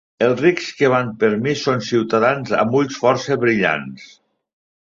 Els rics que van per mi són ciutadans amb ulls força brillants.